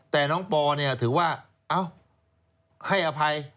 แต่น้องปอเนี่ยถือว่าให้อภัย